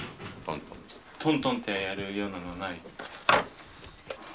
トントンってやるようなのはないの？